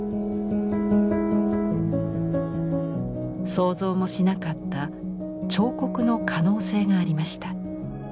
想像もしなかった彫刻の可能性がありました。